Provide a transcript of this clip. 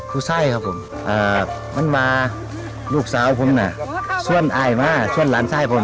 ไส้ครับผมมันมาลูกสาวผมน่ะชวนอายมาชวนหลานไส้ผม